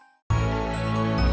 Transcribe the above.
aku akan mendapatkannya raden